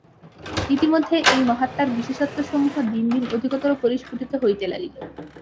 ইতোমধ্যে এই মহাত্মার বিশেষত্বসমূহ দিন দিন অধিকতর পরিস্ফুট হইতে লাগিল।